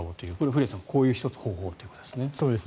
古屋さん、こういう１つの方法ということですね。